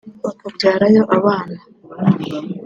bakabyarayo abana